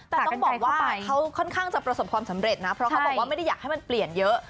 แต่ต้องบอกว่าเขาค่อนข้างจะประสบความสำเร็จนะเพราะเขาบอกว่าไม่ได้อยากให้มันเปลี่ยนเยอะ